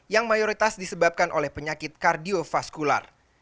yang mayoritas disebabkan oleh penyakit kardiofaskular